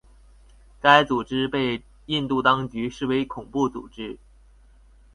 该组织被印度当局视为恐怖组织。